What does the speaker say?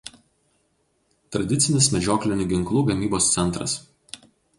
Tradicinis medžioklinių ginklų gamybos centras.